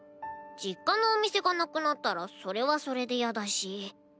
実家のお店がなくなったらそれはそれでやだし。